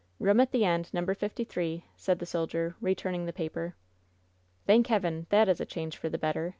"Room at the end — Number 58," said the soldier, re turning the paper. "Thank Heaven, that is a change for the better!"